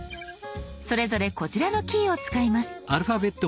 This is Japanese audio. それぞれこちらのキーを使います。